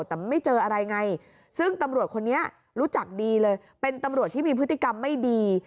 แต่ไม่เจออะไรไงซึ่งตำรวจคนนี้รู้จักดีเลยเป็นตำรวจที่มีพฤติกรรมไม่ดี